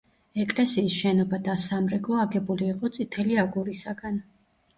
ეკლესიის შენობა და სამრეკლო აგებული იყო წითელი აგურისაგან.